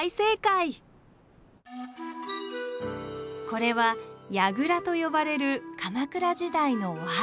これは「やぐら」と呼ばれる鎌倉時代のお墓。